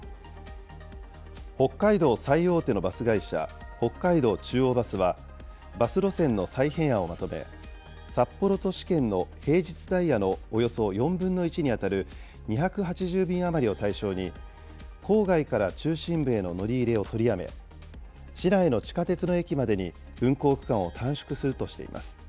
北海道最大手のバス会社、北海道中央バスは、バス路線の再編案をまとめ、札幌都市圏の平日ダイヤのおよそ４分の１に当たる２８０便余りを対象に、郊外から中心部への乗り入れを取りやめ、市内の地下鉄の駅までに運行区間を短縮するとしています。